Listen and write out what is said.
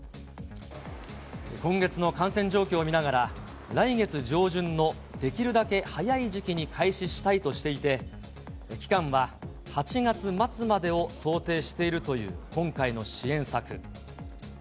今月の感染状況を見ながら、来月上旬のできるだけ早い時期に開始したいとしていて、期間は８月末までを想定しているという今回の支援策。